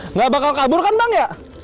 nggak bakal kabur kan bang ya